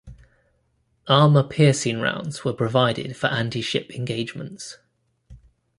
Armour piercing rounds were provided for anti-ship engagements.